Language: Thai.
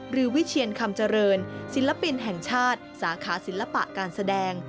วิเชียนคำเจริญศิลปินแห่งชาติสาขาศิลปะการแสดง